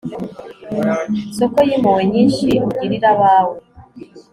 soko y'impuhwe nyinshi ugirira abawe